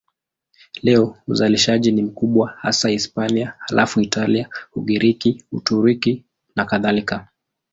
Leo uzalishaji ni mkubwa hasa Hispania, halafu Italia, Ugiriki, Uturuki nakadhalika.